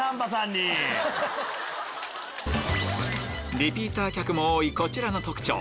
リピーター客も多いこちらの特徴